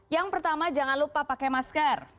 yang pertama jangan lupa pakai masker